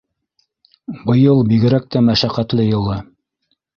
Быйыл бигерәк тә мәшәҡәтле йылы.